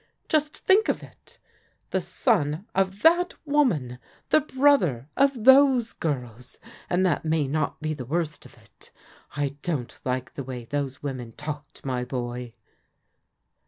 Just think of it ! The son of that woman ! The brother of those girls! And that may not be the worst of it I don't Uke the way those women talked, my boy."